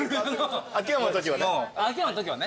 秋山の時はね。